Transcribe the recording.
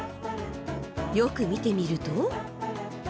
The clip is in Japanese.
よく見てみると？